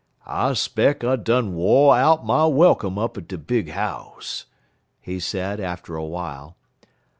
"I 'speck I done wo' out my welcome up at de big house," he said, after a while.